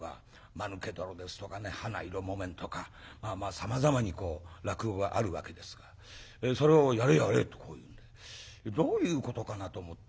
「間抜け泥」ですとかね「花色木綿」とかさまざまにこう落語があるわけですがそれを「やれやれ」とこう言うんでどういうことかなと思って。